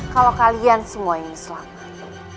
kalau kalian semua ini selamat